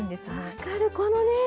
分かるこのね！